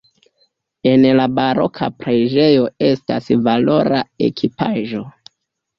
En la baroka preĝejo estas valora ekipaĵo.